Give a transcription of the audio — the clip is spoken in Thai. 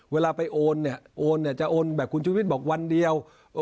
เวลาไปโอนจะโอนแบบของคุณชิไมร์วิทย์บอกวันเดียว